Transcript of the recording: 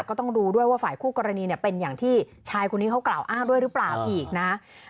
ก็ต้องดูด้วยว่าฝ่ายคู่กรณีเป็นอย่างที่ชายคนนี้เขากล่าวอ้างด้วยหรือเปล่าอีกนะ